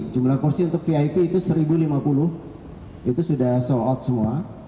jumlah kursi untuk vip itu satu lima puluh itu sudah sold out semua